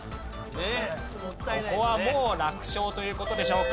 ここはもう楽勝という事でしょうか？